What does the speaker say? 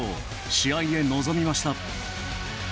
試合へ臨みました。